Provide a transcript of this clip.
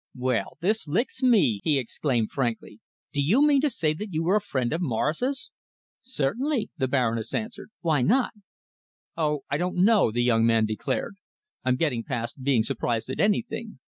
"Well, this licks me!" he exclaimed frankly. "Do you mean to say that you were a friend of Morris's?" "Certainly," the Baroness answered. "Why not?" "Oh! I don't know," the young man declared. "I'm getting past being surprised at anything.